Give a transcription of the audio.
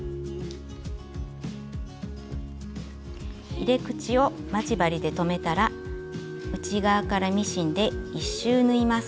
入れ口を待ち針で留めたら内側からミシンで１周縫います。